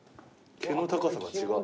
毛の高さが違う。